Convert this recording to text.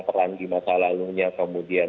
peran di masa lalunya kemudian